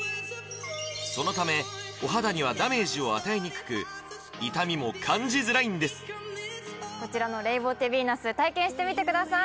そのためお肌にはダメージを与えにくく痛みも感じづらいんですこちらのレイボーテヴィーナス体験してみてください